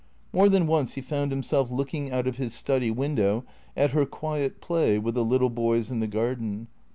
More than once he found himself looking out of his study window at her quiet play with the little boys in the garden.